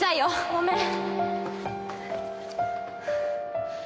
ごめん